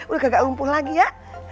udah kagak lumpuh lagi ya